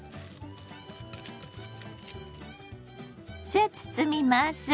さあ包みます！